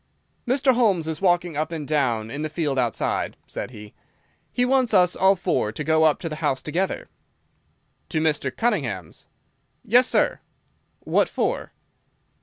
"Mr. Holmes is walking up and down in the field outside," said he. "He wants us all four to go up to the house together." "To Mr. Cunningham's?" "Yes, sir." "What for?"